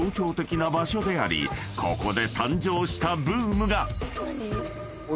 ここで。